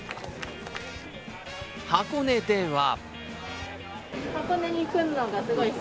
箱根では。